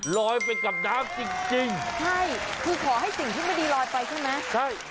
ลอยไปกับน้ำจริงจริงใช่คือขอให้สิ่งที่ไม่ดีลอยไปใช่ไหมใช่